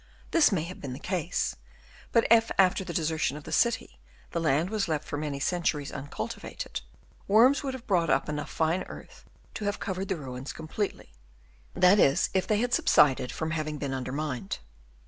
This may have been the case ; but if after the desertion of the city the land was left for many centuries uncultivated, worms would have brought up enough fine earth to have covered the ruins completely ; that is if they had subsided from having been under mined.